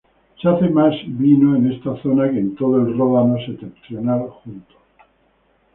Se hace más vino en esta zona que en todo el Ródano septentrional junto.